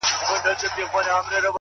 هم دي د سرو سونډو په سر كي جـادو ـ